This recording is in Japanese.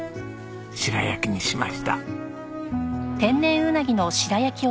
白焼きにしました。